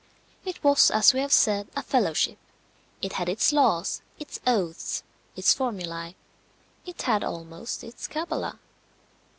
It was, as we have said, a fellowship. It had its laws, its oaths, its formulæ it had almost its cabala.